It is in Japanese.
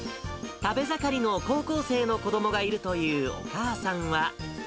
食べ盛りの高校生の子どもがいるというお母さんは。